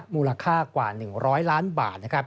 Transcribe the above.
มูลค่ากว่า๑๐๐ล้านบาท